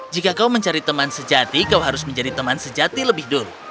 jika kau mencari teman sejati kau harus menjadi teman sejati lebih dulu